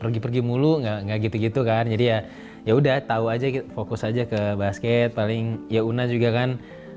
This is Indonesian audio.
pergi pergi mulu gak gitu gitu kan jadi ya udah tau aja fokus aja ke basket paling ya una juga kan